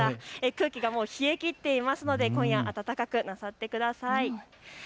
空気が冷えきっているので今夜は暖かくなさってください。